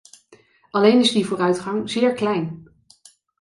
Alleen is die vooruitgang zeer klein.